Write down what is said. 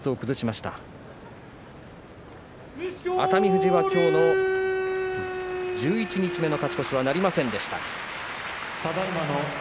富士は今日の十一日目の勝ち越しはなりませんでした。